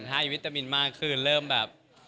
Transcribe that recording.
ให้วิตามินมากขึ้นเริ่มแบบ